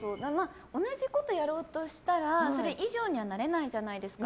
同じことやろうとしたらそれ以上にはなれないじゃないですか。